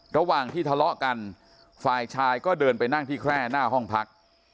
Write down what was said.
ระหว่างที่ทะเลาะกันฝ่ายชายก็เดินไปนั่งที่แคร่หน้าห้องพัก